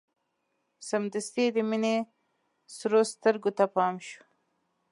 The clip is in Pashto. سمدستي يې د مينې سرو سترګو ته پام شو.